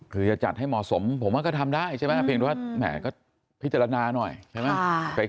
คือจะจัดให้เหมาะสมผมว่าก็ทำได้ใช่ไหมเพียงแต่ว่าแหมก็พิจารณาหน่อยใช่ไหม